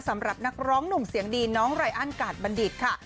สำหรับนักร้องหนุ่มเสียงดีน้องไรอันกาดบัณฑิตค่ะ